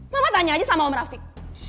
mama tanya aja sama om rafiq